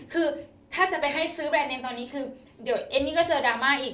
คือถ้าจะไปให้ซื้อแบรนดเนมตอนนี้คือเดี๋ยวเอมมี่ก็เจอดราม่าอีก